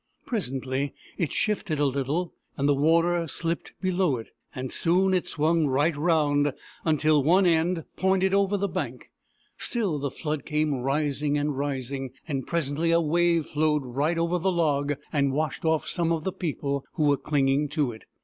Presently it shifted a little, and the water slipped below it ; and soon it swung right round until one end pointed over the bank. Still the flood came rising and rising, and presently a wave flowed right over the log and washed off some of the people who were clinging to it.